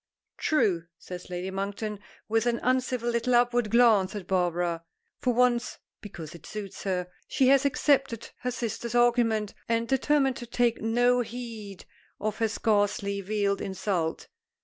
"True," says Lady Monkton, with an uncivil little upward glance at Barbara. For once because it suits her she has accepted her sister's argument, and determined to take no heed of her scarcely veiled insult.